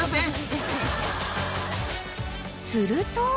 ［すると］